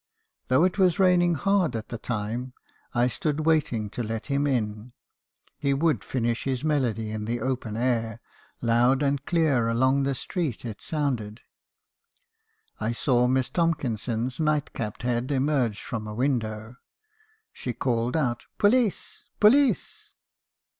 * mk. habeison's confessions. 313 "Though it was raining hard at the time, and I stood waiting to let him in, he would finish his melody in the open air; loud and clear along the street it sounded. I saw Miss Tomkinson's night capped head emerge from a window. She called out 'Police! police!'